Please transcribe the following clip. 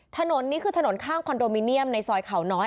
ถนนนี้คือถนนข้างคอนโดมิเนียมในซอยเขาน้อย